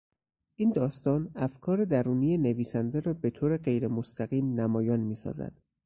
این داستان افکار درونی نویسنده را به طور غیرمستقیم نمایان میسازد.